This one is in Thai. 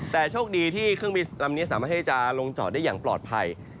แต่โชคดีที่เครื่องบินลำนี้สามารถให้จะลงจอดได้อย่างปลอดภัย